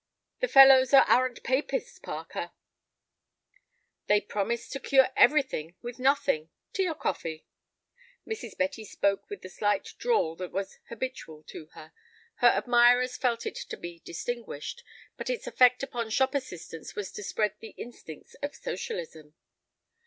The fellows are arrant Papists, Parker; they promise to cure everything with nothing. Tea or coffee?" Mrs. Betty spoke with the slight drawl that was habitual to her. Her admirers felt it to be distinguished, but its effect upon shop assistants was to spread the instincts of socialism.